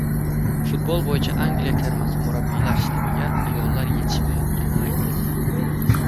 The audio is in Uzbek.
Futbol bo‘yicha Angliya termasi murabbiylar shtabiga ayollar yetishmayotgani aytildi